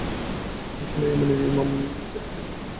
ফলে ইয়েমেনের ইমাম এডেন আক্রমণ বন্ধ করতে সম্মত হন।